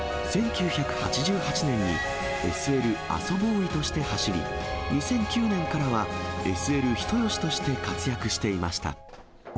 １９８８年にＳＬあそＢＯＹとして走り、２００９年からはＳＬ人吉として活躍していました。